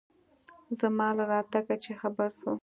زما له راتگه چې خبر سو.